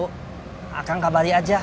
kak kang kabarin aja